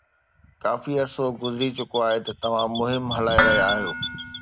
ڪافي عرصو گذري چڪو آهي ته توهان مهم هلائي رهيا آهيو